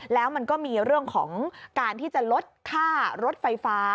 แล้วมันก็มีเรื่องของการที่จะลดค่ารถไฟฟ้า